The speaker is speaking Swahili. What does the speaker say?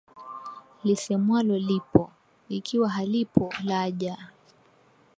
Lisemwalo lipo, ikiwa halipo laja